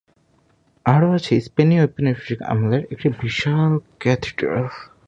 আরও আছে স্পেনীয় ঔপনিবেশিক আমলের একটি বিশাল ক্যাথিড্রাল।